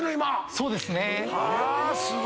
そうですね。